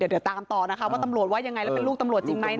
เดี๋ยวตามต่อนะคะว่าตำรวจว่ายังไงแล้วเป็นลูกตำรวจจริงไหม